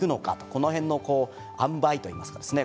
この辺のあんばいといいますかですね